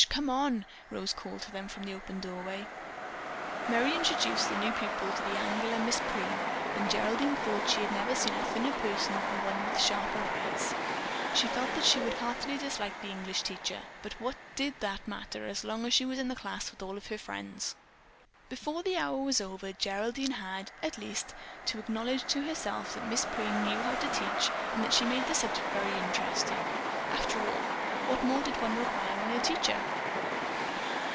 Come on!" Rose called to them from the open doorway. Merry introduced the new pupil to the angular Miss Preen and Geraldine thought she never had seen a thinner person or one with sharper eyes. She felt sure that she would heartily dislike the English teacher, but what did that matter as long as she was in the class with all of her friends. Before the hour was over Geraldine had, at least, to acknowledge to herself that Miss Preen knew how to teach and that she made the subject very interesting. After all, what more did one require in a teacher?